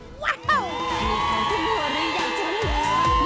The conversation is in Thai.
ใครคุมหัวหรือยังอยากชั้นฝัง